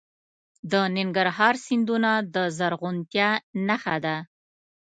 د ننګرهار سیندونه د زرغونتیا نښه ده.